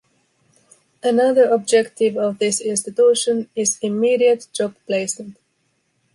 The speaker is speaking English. Another objective of this institution is immediate job placement.